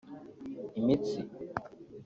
imitsi